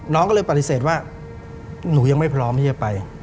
น้องก็เลยปฏิเสธว่าหนูยังไม่พร้อมที่จะไป